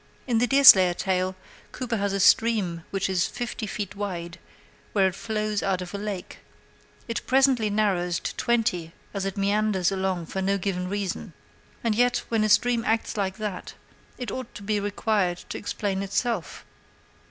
In the Deerslayer tale Cooper has a stream which is fifty feet wide where it flows out of a lake; it presently narrows to twenty as it meanders along for no given reason; and yet when a stream acts like that it ought to be required to explain itself.